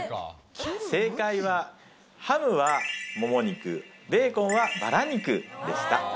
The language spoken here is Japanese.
正解は、ハムはもも肉、ベーコンはバラ肉でした。